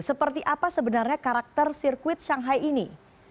seperti apa sebenarnya karakter sirkuit shanghai ini